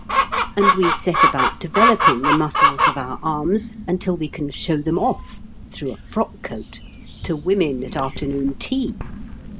And we set about developing the muscles of our arms until we can show them off (through a frock coat) to women at afternoon tea.